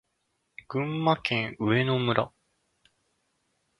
群馬県上野村